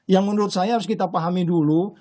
yang menurut saya harus kita pahami dulu